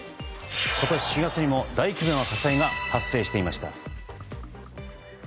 今年４月にも大規模な火災が発生していました。